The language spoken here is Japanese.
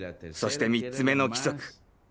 そして３つ目の規則。